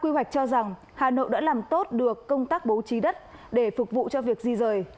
hà nội đã làm tốt được công tác bố trí đất để phục vụ cho việc di rời